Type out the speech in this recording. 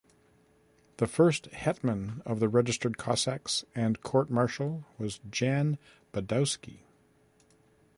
The first Hetman of the Registered Cossacks and court marshal was Jan Badowski.